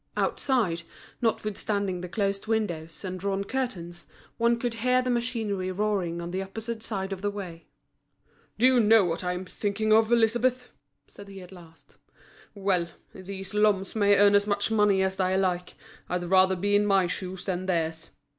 Outside, notwithstanding the closed windows, and drawn curtains, one could hear the machinery roaring on the opposite side of the way. "Do you know what I'm thinking of, Elisabeth?" said he at last "Well! these Lhommes may earn as much money as they like, I'd rather be in my shoes than theirs.